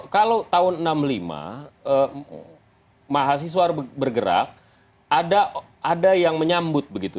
kalau tahun seribu sembilan ratus enam puluh lima mahasiswa bergerak ada yang menyambut begitu